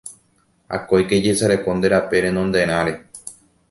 Akóike ejesareko nde rape renonderãre